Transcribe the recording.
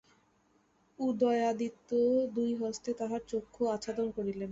উদয়াদিত্য দুই হস্তে তাঁহার চক্ষু আচ্ছাদন করিলেন।